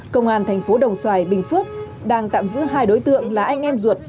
công an thành phố đồng xoài bình phước đang tạm giữ hai đối tượng là anh em ruột